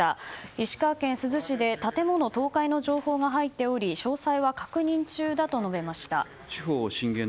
石川県珠洲市で建物倒壊の情報が入っており詳細は確認中だと述べました。